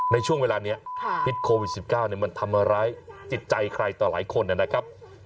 ในช่วงเวลานี้พิษโควิด๑๙มันทำร้ายจิตใจใครต่อหลายคนนะครับ